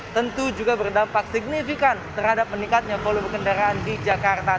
tentu juga berdampak signifikan terhadap meningkatnya volume kendaraan di jakarta